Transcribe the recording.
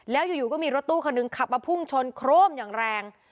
แล้วอยู่ก็มีรถตู้คนหนึ่งขับมาพุ่งชนโครมอย่างแรง